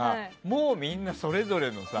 もうみんな、それぞれのさ